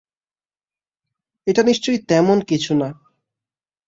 এটা নিশ্চয়ই তেমন কিছু না।